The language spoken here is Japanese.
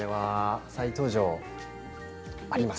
再登場あります。